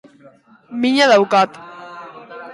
Mina daukat